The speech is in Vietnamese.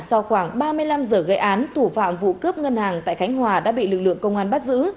sau khoảng ba mươi năm giờ gây án thủ phạm vụ cướp ngân hàng tại khánh hòa đã bị lực lượng công an bắt giữ